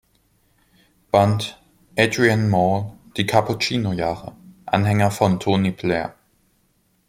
Band, "Adrian Mole: Die Cappuccino-Jahre", Anhänger von Tony Blair.